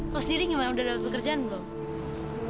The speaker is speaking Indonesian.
lo sendiri gimana udah dapet pekerjaan belum